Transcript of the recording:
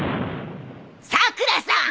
さくらさん！